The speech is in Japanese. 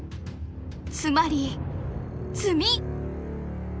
つまり詰み。